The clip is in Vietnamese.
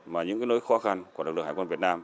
và những nỗi khó khăn của lực lượng hải quân việt nam